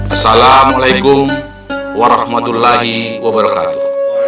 assalamualaikum warahmatullahi wabarakatuh